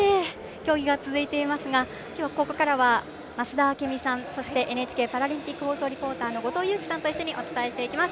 競技が続いていますがここからは増田明美さんそしてＮＨＫパラリンピック放送リポーターの後藤佑季さんと一緒にお伝えしていきます。